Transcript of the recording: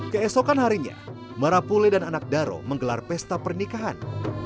keesokan harinya marapule dan anak daro menggelar pesta pernikahan